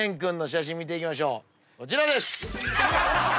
こちらです！